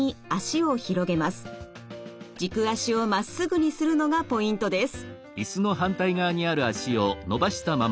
軸足をまっすぐにするのがポイントです。